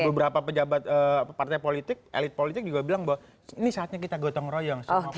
beberapa pejabat partai politik elit politik juga bilang bahwa ini saatnya kita gotong royong